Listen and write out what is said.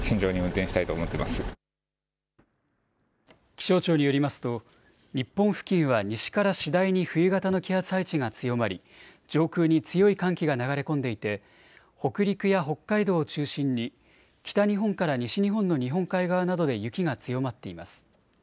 気象庁によりますと日本付近は西から次第に冬型の気圧配置が強まり上空に強い寒気が流れ込んでいて北陸や北海道を中心に北日本から西日本の日本海側などで雪が強まっています。